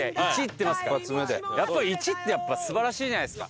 「１」ってやっぱり素晴らしいじゃないですか。